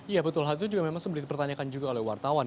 ya betul hal itu juga memang sempat dipertanyakan juga oleh wartawan